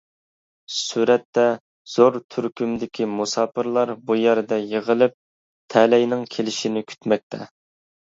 سۈرەتتە، زور تۈركۈمدىكى مۇساپىرلار بۇ يەردە يىغىلىپ، تەلەينىڭ كېلىشىنى كۈتمەكتە.